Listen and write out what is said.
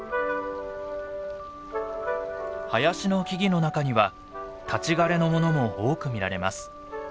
林の木々の中には立ち枯れのものも多く見られます。